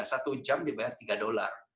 satu jam dibayar tiga dolar